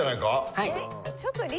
はい。